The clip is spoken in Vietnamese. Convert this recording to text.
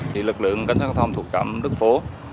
thì lực lượng cảnh sát giao thông thuộc trạm đức phố